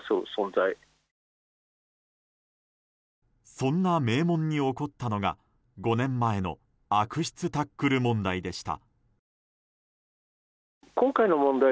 そんな名門に起こったのが５年前の悪質タックル問題でした。